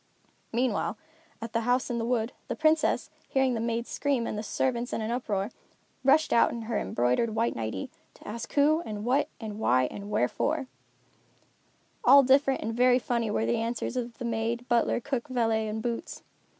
Meanwhile, at the House in the Wood, the Princess, hearing the maid scream and the servants in an uproar, rushed out in her embroidered white nightie, to ask who, and what, and why, and wherefore. All different and very funny were the answers of maid, butler, cook, valet and boots.